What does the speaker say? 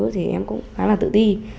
thì em cũng khá là tự ti